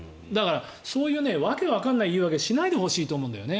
そういう訳がわからない言い訳をしないでほしいと思うんだよね。